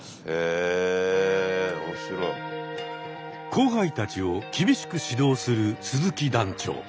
後輩たちを厳しく指導する鈴木団長。